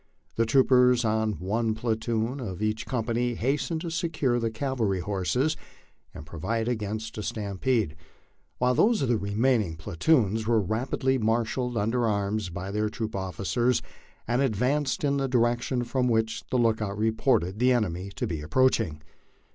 The troopers of one platoon of each company hast ened to secure the cavalry horses and provide against a stampede, while those of the remaining platoons were rapidly marshalled under arms by their troop officers, and advanced in the direction from which the lookout reported the enemy to be approaching.